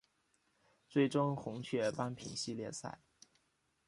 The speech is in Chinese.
最终红雀扳平系列赛。